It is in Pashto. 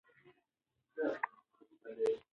نور باید د کتابونو لوستل بیخي پرېږدې.